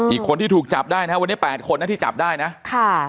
อีกคนที่ถูกจับได้นะวันนี้๘คนนั้นที่จับได้นะ